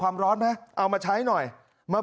มึงอยากให้ผู้ห่างติดคุกหรอ